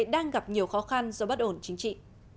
đang gặp nhiều khó khăn do bất ổn chính trị